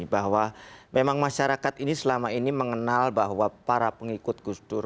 bahwa memang masyarakat ini selama ini mengenal bahwa para pengikut gus dur